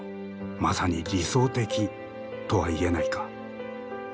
まさに理想的とは言えないか。